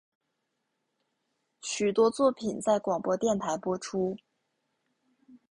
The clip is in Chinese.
许多作品在广播电台播出。